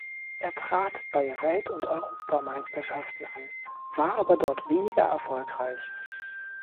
Er trat bei Welt- und Europameisterschaften an, war aber dort weniger erfolgreich.